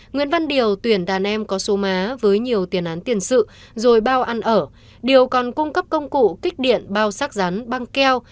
nguyễn văn điều tuyển đàn em có số má với nhiều tiền án tiền sự rồi bao ăn ở điều còn cung cấp công cụ kích điện bao sắc rắn băng keo